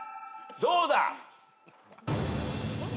どうだ？